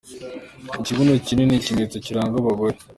Ikibuno kinini ni ikimenyetso kiranga abagore.